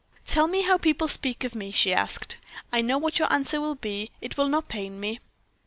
"Tell me how people speak of me!" she asked. "I know what your answer will be. It will not pain me."